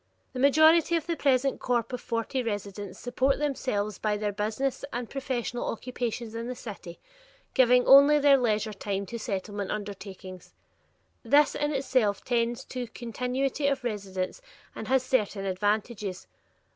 The majority of the present corp of forty residents support themselves by their business and professional occupations in the city, giving only their leisure time to Settlement undertakings. This in itself tends to continuity of residence and has certain advantages.